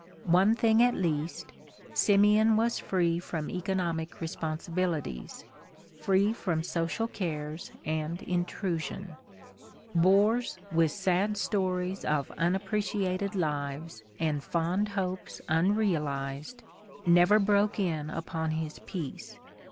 One thing at least, Simeon was free from economic responsibilities, free from social cares and intrusion. Bores with sad stories of unappreciated lives and fond hopes unrealized, never broke in upon his peace.